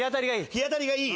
日当たりがいい。